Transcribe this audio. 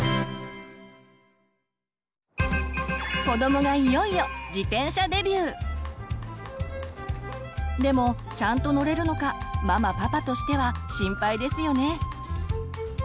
子どもがいよいよでもちゃんと乗れるのかママパパとしては心配ですよね。